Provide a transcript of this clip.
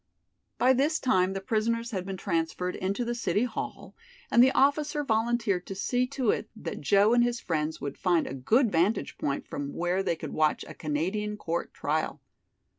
By this time the prisoners had been transferred into the city hall, and the officer volunteered to see to it that Joe and his friends would find a good vantage point from where they could watch a Canadian court trial.